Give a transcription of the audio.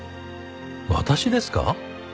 私ですか？